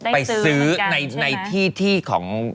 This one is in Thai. ไปซื้อในที่ของ